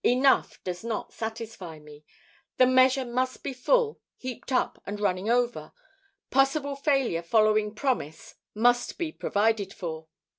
Enough does not satisfy me. The measure must be full, heaped up, and running over. Possible failure following promise must be provided for.